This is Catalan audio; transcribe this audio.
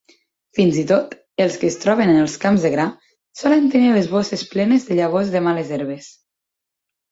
Fins i tot els que es troben en els camps de gra solen tenir les bosses plenes de llavors de males herbes.